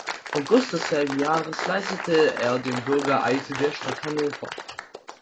August desselben Jahres leistete er den Bürgereid der Stadt Hannover.